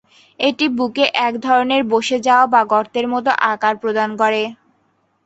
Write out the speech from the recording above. এটি বুকে এক ধরনের বসে যাওয়া বা গর্তের মত আকার প্রদান করে।